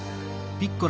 ピッコラ！